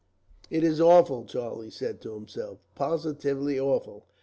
"It is awful," Charlie said to himself, "positively awful.